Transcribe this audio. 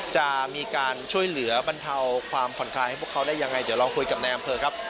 จะมีการช่วยเหลือบรรเทาความผ่อนคลายให้พวกเขาได้ยังไงเดี๋ยวลองคุยกับนายอำเภอครับ